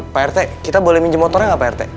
pak rt kita boleh minjem motornya nggak pak rt